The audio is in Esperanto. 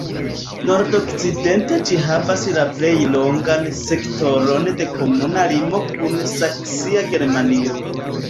Nordokcidente ĝi havas la plej longan sektoron de komuna limo kun saksia Germanio.